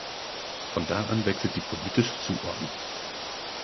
Von da an wechselt die politische Zuordnung.